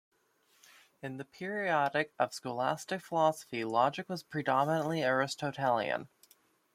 In the periodic of scholastic philosophy, logic was predominantly Aristotelian.